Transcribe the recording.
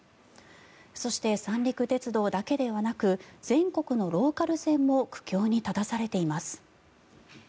そして、三陸鉄道だけではなく全国のローカル線も苦境に立たされています。